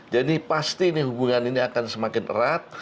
jadi pasti hubungan ini akan semakin erat